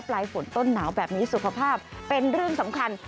ปลายฝนต้นหนาวแบบนี้สุขภาพเป็นเรื่องสำคัญ